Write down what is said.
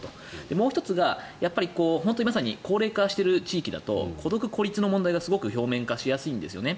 もう１つが高齢化している地域だと孤独、孤立の問題が表面化しやすいんですよね。